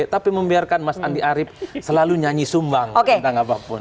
tapi membiarkan mas andi arief selalu nyanyi sumbang tentang apapun